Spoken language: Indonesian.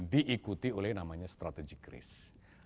diikuti oleh namanya strategic risk